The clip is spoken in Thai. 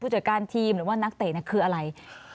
หรือว่านักเต๋คืออะไร